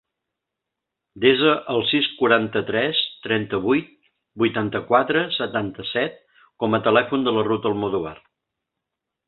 Desa el sis, quaranta-tres, trenta-vuit, vuitanta-quatre, setanta-set com a telèfon de la Ruth Almodovar.